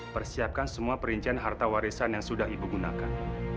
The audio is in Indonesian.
persiapkan semua perincian harta warisan yang sudah ibu gunakan